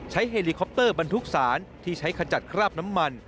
เฮลิคอปเตอร์บรรทุกสารที่ใช้ขจัดคราบน้ำมัน